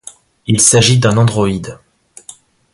Il s'agit d'un androïde.